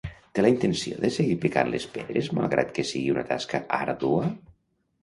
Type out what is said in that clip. Té la intenció de seguir picant les pedres malgrat que sigui una tasca àrdua?